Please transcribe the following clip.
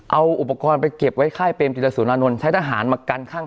เอาอุปกรณ์ไปเก็บไว้ค่ายเปรมจิตสุรานนท์ใช้ทหารมากันข้าง